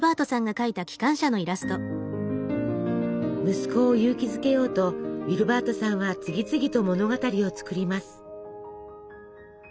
息子を勇気づけようとウィルバートさんは次々と物語を作ります。